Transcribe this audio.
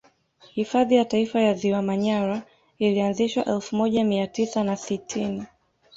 Hifadhi ya Taifa ya ziwa Manyara ilianzishwa elfu moja mia tisa na sitini